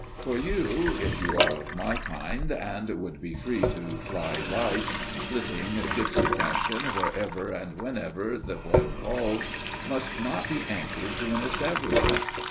For you, if you are of my kind, and would be free to fly light, flitting, gipsy fashion, wherever and whenever the whim calls, must not be anchored to an establishment.